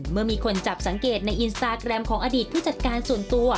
เมื่อมีคนจับสังเกตในอินสตาแกรมของอดีตผู้จัดการส่วนตัว